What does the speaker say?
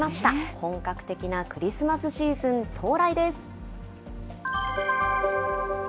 本格的なクリスマスシーズン到来です。